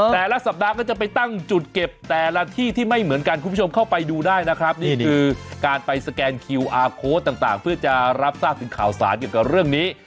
แต่ละสัปดาห์ก็จะไปตั้งจุดเก็บแต่ละที่ที่ไม่เหมือนกันคุณผู้ชมเข้าไปดูได้นะครับนี่คือการไปสแกนคิวอาร์โค้ดต่างเพื่อจะรับทราบถึงข่าวสารเกี่ยวกับเรื่องนี้